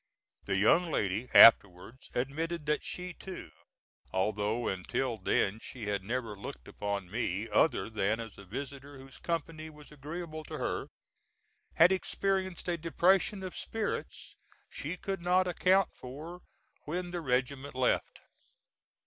The young lady afterwards admitted that she too, although until then she had never looked upon me other than as a visitor whose company was agreeable to her, had experienced a depression of spirits she could not account for when the regiment left.